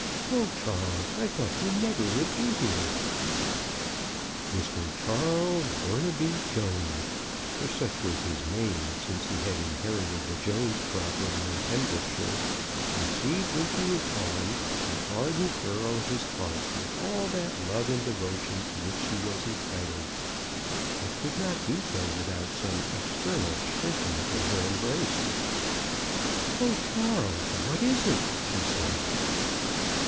O Charles, I thought you never would be here !" Mr. Charles Burnaby Jones — for such was his name since he had inherited the Jones property in Pembrokeshire — received into his arms the ardent girl of his heart with all that love and devotion to which she was entitled, but could not do so without some external shrinking from her embrace. " O Charles, what is it?" she said.